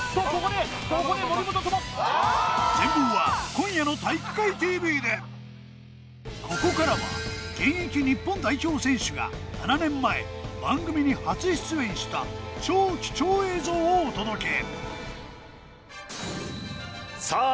全貌は今夜の「体育会ＴＶ」でここからは現役日本代表選手が７年前番組に初出演した超貴重映像をお届けさあ